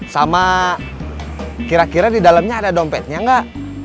sama kira kira di dalamnya ada dompetnya nggak